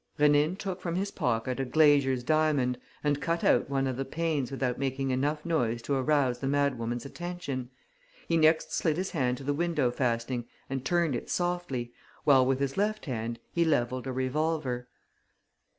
Rénine took from his pocket a glazier's diamond and cut out one of the panes without making enough noise to arouse the madwoman's attention. He next slid his hand to the window fastening and turned it softly, while with his left hand he levelled a revolver.